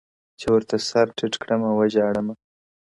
o چي ورته سر ټيټ كړمه ـ وژاړمه ـ